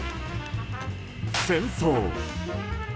戦争。